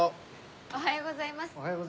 おはようございます。